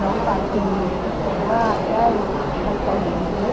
และบางเรื่องที่เป็นเรื่องส่วนตัวจริงจริง